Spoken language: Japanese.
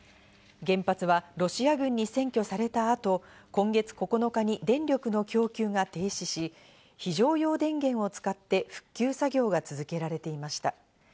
原発はロシア軍に占拠されたあと、今月９日に電力の供給が停止し、非常用電源を使って復旧作業が続けられていました。